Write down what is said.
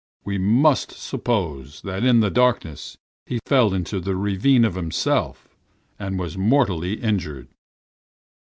We must suppose that in the darkness he fell into the ravine of himself and was mortally injured.